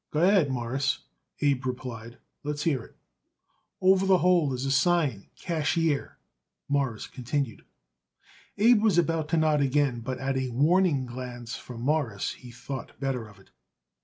"Go ahead, Mawruss," Abe replied. "Let's hear it." "Over the hole is a sign, Cashier," Morris continued. Abe was about to nod again, but at a warning glance from Morris he thought better of it.